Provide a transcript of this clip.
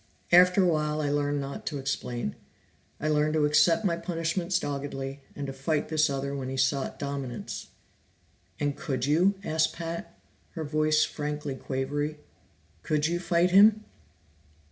After a while I learned not to explain; I learned to accept my punishments doggedly, and to fight this other when he sought dominance." "And could you?" asked Pat, her voice frankly quavery. "Could you fight him?"